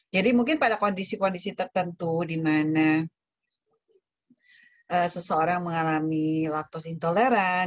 jadi mungkin pada kondisi kondisi tertentu di mana seseorang mengalami laktos intoleran